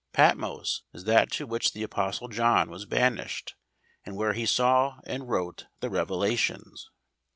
Patmos is that to which the apostle John was banished, and where he saw, and wrote the Revelations.